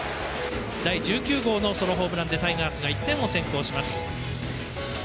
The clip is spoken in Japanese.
第１９号のソロホームランでタイガースが１点を先行します。